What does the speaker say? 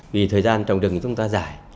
vì thời gian trồng rừng chúng ta dài